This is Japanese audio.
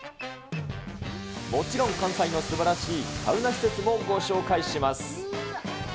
もちろん、関西のすばらしいサウナ施設もご紹介します。